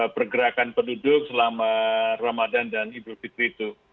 pergerakan penduduk selama ramadan dan idul fitri itu